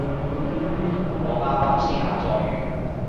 我啱啱先下載完